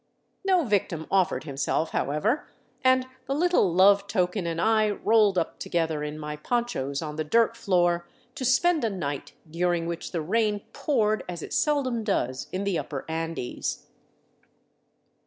No victim offered himself, however, and the little love token and I rolled up together in my ponchos on the dirt floor, to spend a night during which the rain poured as it seldom does in the upper Andes.